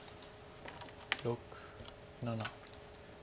６７。